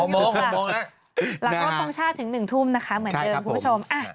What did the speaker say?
๖โมงหลังว่าต้องช่าถึง๑ทุ่มนะคะเหมือนเดิมคุณผู้ชม